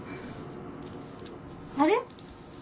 あれ？